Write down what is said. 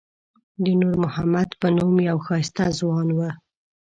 د نور محمد په نوم یو ښایسته ځوان و.